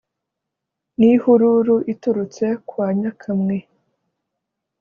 n’ihururu iturutse kwa nyakamwe